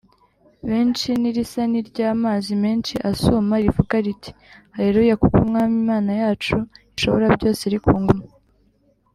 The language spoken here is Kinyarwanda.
benshi, n’irisa n’iry’amazi menshi asuma, rivuga riti, “Haleluya! Kuko Umwami Imana yacu Ishobora byose iri ku ngoma